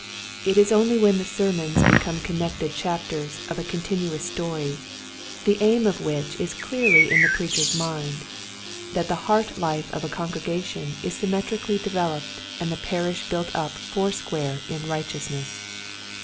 It is only when the sermons be come connected chapters of a continuous story, the aim of which is clearly in the preacher's mind, that the heart life of a congregation is symmetrically developed and the parish built up foursquare in righteousness.